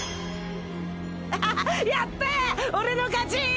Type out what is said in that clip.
やった俺の勝ち！